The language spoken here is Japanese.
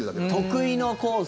得意のコース